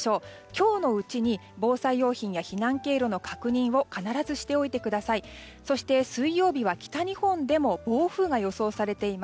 今日のうちに防災用品や避難経路の確認を必ずしておいてください。